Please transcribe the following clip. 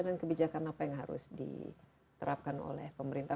dan kebijakan apa yang harus diterapkan oleh pemerintah